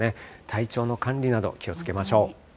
体調の管理など気をつけましょう。